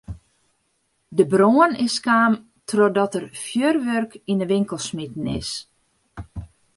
De brân is kaam trochdat der fjoerwurk yn de winkel smiten is.